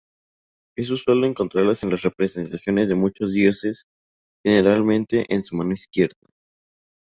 Es usual encontrarlas en las representaciones de muchos dioses generalmente en su mano izquierda.